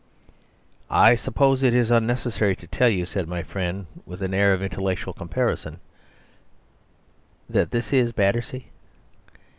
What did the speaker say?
"I suppose it is unnecessary to tell you," said my friend, with an air of intellectual comparison, "that this is Battersea?"